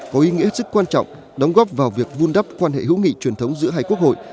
có ý nghĩa hết sức quan trọng đóng góp vào việc vun đắp quan hệ hữu nghị truyền thống giữa hai quốc hội